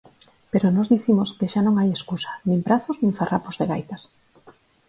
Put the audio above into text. Pero nós dicimos que xa non hai escusa, nin prazos nin farrapos de gaitas.